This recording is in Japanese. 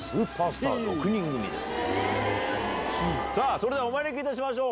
それではお招きいたしましょう。